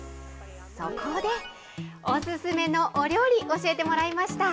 そこで、お勧めのお料理、教えてもらいました。